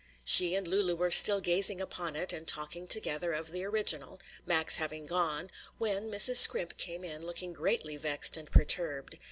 She and Lulu were still gazing upon it and talking together of the original Max having gone when Mrs. Scrimp came in, looking greatly vexed and perturbed.